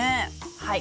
はい。